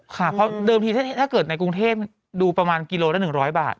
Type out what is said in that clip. ค่ะเพราะเดิมทีถ้าเกิดในกรุงเทพดูประมาณกิโลละ๑๐๐บาท